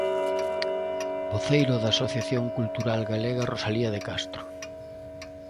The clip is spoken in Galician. Voceiro da Asociación Cultural Galega Rosalía de Castro.